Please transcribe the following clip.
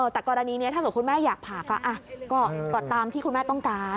แต่กรณีนี้ถ้าเกิดคุณแม่อยากผ่าก็ตามที่คุณแม่ต้องการ